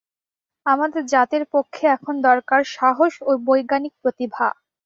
আমাদের জাতের পক্ষে এখন দরকার সাহস ও বৈজ্ঞানিক প্রতিভা।